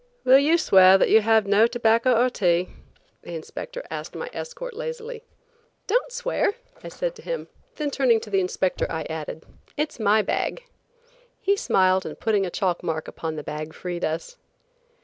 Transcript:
"Will you swear that you have no tobacco or tea?" the inspector asked my escort lazily. "Don't swear," I said to him; then turning to the inspector I added: "It's my bag." He smiled and putting a chalk mark upon the bag freed us.